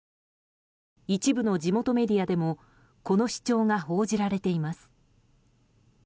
一部の地元メディアでもこの主張が報じられています。